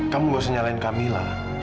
kamu gak usah nyalain kak mila